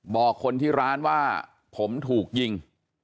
บอกคนที่ร้านว่าผมถูกยิง